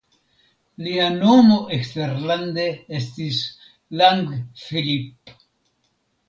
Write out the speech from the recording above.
Lia nomo eksterlande estis "Lang Philipp".